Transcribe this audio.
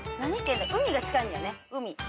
海が近いんだよね。